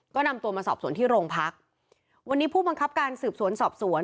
ก็นำตัวมาสอบสวนที่โรงพักวันนี้ผู้บังคับการสืบสวนสอบสวน